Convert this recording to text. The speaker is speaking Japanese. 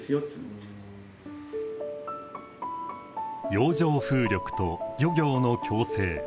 洋上風力と漁業の共生。